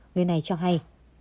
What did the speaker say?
người này cho hay